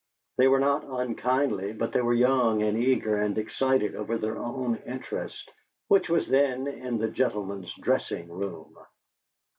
They were not unkindly, but they were young and eager and excited over their own interests, which were then in the "gentlemen's dressing room."